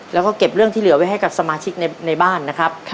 แล้วก็เก็บเรื่องที่เหลือไว้ให้กับสมาชิกในบ้านนะครับ